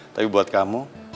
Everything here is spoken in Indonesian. tapi buat kamu